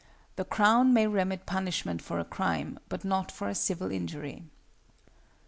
The Crown may remit punishment for a crime, but not for a civil injury. II.